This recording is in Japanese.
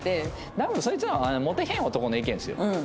多分そいつらはモテへん男の意見ですよ。